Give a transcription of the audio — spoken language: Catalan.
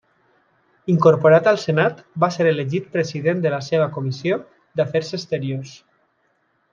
Incorporat al Senat, va ser elegit president de la seva Comissió d'Afers exteriors.